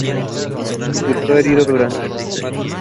Resultó herido durante los combates.